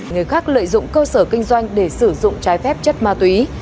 người khác lợi dụng cơ sở kinh doanh để sử dụng trái phép chất ma túy